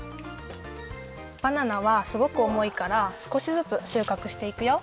バナナはすごくおもいからすこしずつしゅうかくしていくよ。